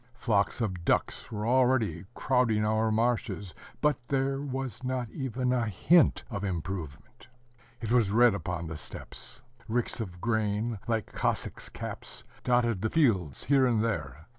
Flocks of ducks were already crowding our marshes, but there was not even a hint of improvement. It was red upon the steppes. Ricks of grain, like Cossacks' caps, dotted the fields here and there.